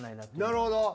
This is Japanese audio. なるほど。